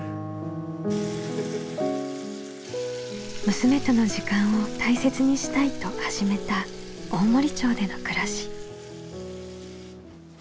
「娘との時間を大切にしたい」と始めた大森町での暮らし。